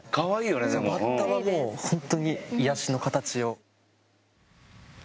バッタはもう本当に癒やしの形を。